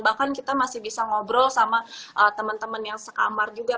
bahkan kita masih bisa ngobrol sama temen temen yang sekamar juga